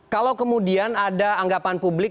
kalau kemudian ada anggapan publik